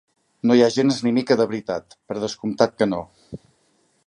No hi ha gens ni mica de veritat, per descomptat que no.